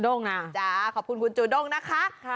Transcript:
ผมจะออกชานนั่นให้คุณชนะเลย